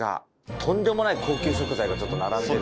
とんでもない高級食材がちょっと並んでる。